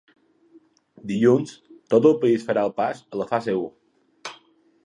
Dilluns, tot el país farà el pas a la fase u.